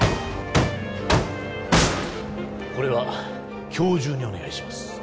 これは今日中にお願いします